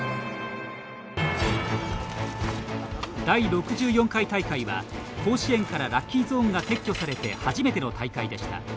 第６４回大会は、甲子園からラッキーゾーンが撤去されて初めての大会でした。